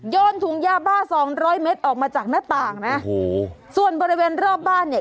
ถุงยาบ้าสองร้อยเมตรออกมาจากหน้าต่างนะโอ้โหส่วนบริเวณรอบบ้านเนี่ย